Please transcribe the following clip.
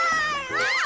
あっ。